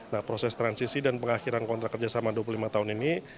nah proses transisi dan pengakhiran kontrak kerjasama dua puluh lima tahun ini